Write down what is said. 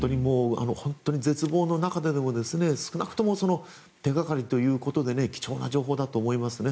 本当に絶望の中でも少なくとも手がかりということで貴重な情報だと思いますね。